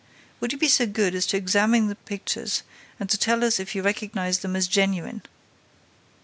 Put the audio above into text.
Would you be so good as to examine the pictures and to tell us if you recognize them as genuine?"